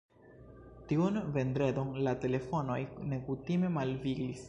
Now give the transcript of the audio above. Tiun vendredon la telefonoj nekutime malviglis.